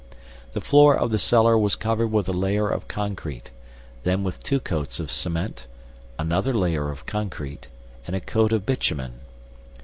The floor of the cellar was covered with a layer of concrete, then with two coats of cement, another layer of concrete and a coat of bitumen.